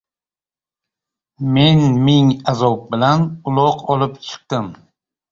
Men ming azob bilan uloq olib chiqdim.